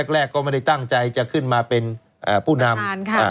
แรกก็ไม่ได้ตั้งใจจะขึ้นมาเป็นผู้นำ